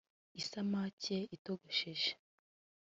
isamake itogosheje